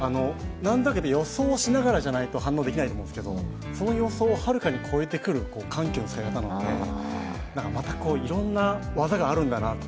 なんとなく予想しながらじゃないと反応できないと思うんですけどその予想をはるかに超えてくる緩急の使い方なのでまたいろんな技があるんだなと。